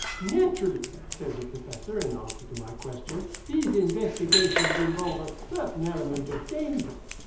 "Naturally," said the Professor in answer to my question, "these investigations involve a certain element of danger.